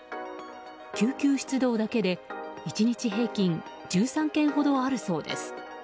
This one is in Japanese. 救急出動だけで１日平均１３件ほどあるそうです。